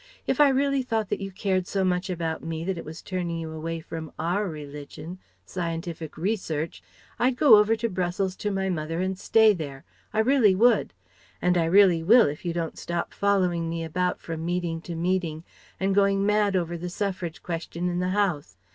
If I really thought that you cared so much about me that it was turning you away from our religion, scientific research, I'd go over to Brussels to my mother and stay there. I really would; and I really will if you don't stop following me about from meeting to meeting and going mad over the Suffrage question in the House.